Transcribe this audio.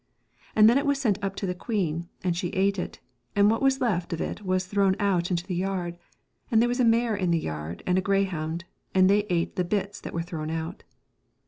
And then it was sent up to the queen, and she ate it, and what was left of it was thrown out into the yard, and there was a mare in the yard and a greyhound, and they ate the bits that were thrown out.